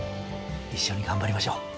一緒に頑張りましょう。